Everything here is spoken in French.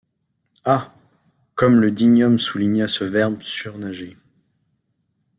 Ah ! comme le digne homme souligna ce verbe « surnager !